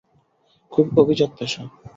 খুব অভিজাত পেশা।